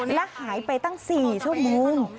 และหายไปตั้ง๔ชั่วโมง